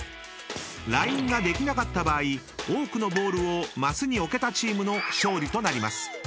［ラインができなかった場合多くのボールをマスに置けたチームの勝利となります］